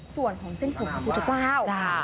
ส่วนของเส้นผมพระพุทธเจ้า